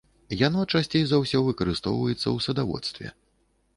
Яно часцей за ўсё выкарыстоўваецца ў садаводстве.